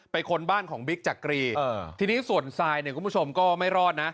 ค้นบ้านของบิ๊กจักรีทีนี้ส่วนทรายเนี่ยคุณผู้ชมก็ไม่รอดนะ